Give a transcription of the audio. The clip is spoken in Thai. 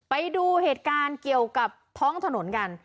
ไปดูเหตุการณ์เกี่ยวกับท้องถนนกัน